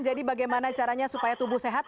jadi bagaimana caranya supaya tubuh sehat